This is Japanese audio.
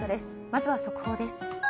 まずは速報です。